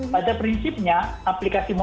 pada prinsipnya aplikasi mod